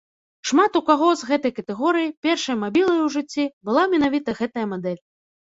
Шмат у каго з гэтай катэгорыі першай мабілай у жыцці была менавіта гэтая мадэль.